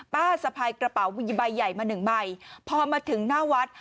สะพายกระเป๋าใบใหญ่มาหนึ่งใบพอมาถึงหน้าวัด